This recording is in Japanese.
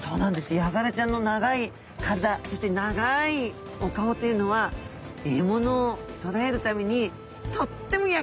ヤガラちゃんの長い体そして長いお顔というのは獲物を捕らえるためにとっても役立つってことなんですね。